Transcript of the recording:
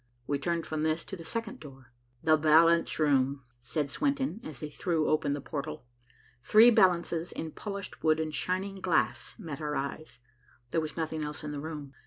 We turned from this to the second door. "The balance room," said Swenton, as he threw open the portal. Three balances in polished wood and shining glass met our eyes. There was nothing else in the room.